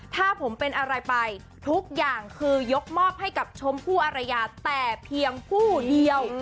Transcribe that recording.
ถ้าผมเป็นอะไรไปทุกอย่างคือยกมอบให้กับชมพู่อารยาแต่เพียงผู้เดียว